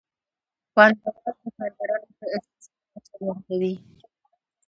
پانګوال د کارګرانو د استثمار کچه لوړه کوي